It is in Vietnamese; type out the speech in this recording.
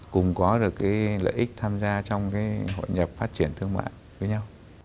cùng có được cái lợi ích tham gia trong cái hội nhập phát triển thương mại với nhau